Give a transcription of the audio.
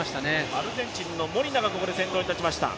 アルゼンチンのモリナがここで先頭に立ちました。